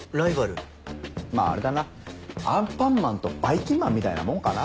まぁあれだなアンパンマンとばいきんまんみたいなもんかな。